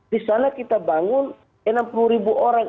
di sana kita bangun enam puluh ribu orang